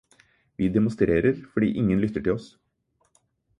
Vi demonstrerer fordi ingen lytter til oss.